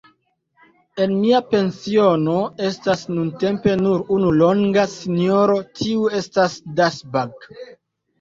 En mia pensiono estas nuntempe nur unu longa sinjoro, tiu estas Dusburg.